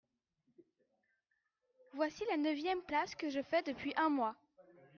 Voici la neuvième place que je fais depuis un mois.